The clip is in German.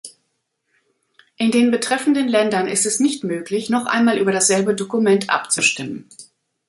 In den betreffenden Ländern ist es nicht möglich, noch einmal über dasselbe Dokument abzustimmen.